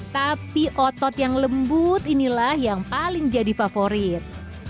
tapi otot yang lembut inilah yang paling jadi favorit